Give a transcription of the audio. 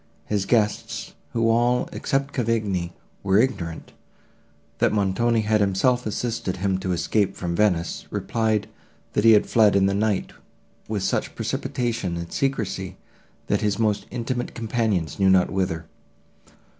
His guests, who all, except Cavigni, were ignorant, that Montoni had himself assisted him to escape from Venice, replied, that he had fled in the night with such precipitation and secrecy, that his most intimate companions knew not whither.